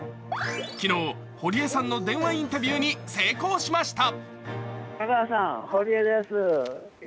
昨日、堀江さんの電話インタビューに成功しました。